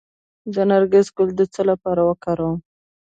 د نرګس ګل د څه لپاره وکاروم؟